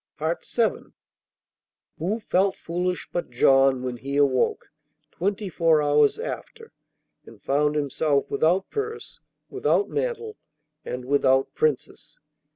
VII Who felt foolish but John, when he awoke, twenty four hours after, and found himself without purse, without mantle, and without Princess?